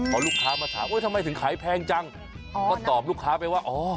พอลูกค้ามาถามทำไมถึงขายแพงจังก็ตอบลูกค้าไปว่าอ๋อ